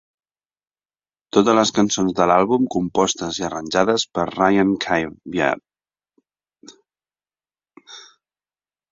Totes les cançons de l'àlbum compostes i arranjades per Ryan Cayabyab.